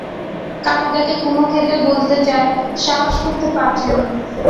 কালুদাকে কুমু খেতে বলতে চায়, সাহস করতে পারছে না।